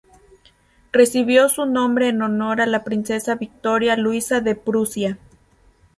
Recibió su nombre en honor a la princesa Victoria Luisa de Prusia.